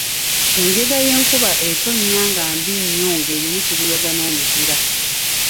Enjega y’enkuba etonnya nga mbi nnyo ng’erimu kibuyaga n’omuzira.